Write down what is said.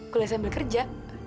kuliah sambil kerja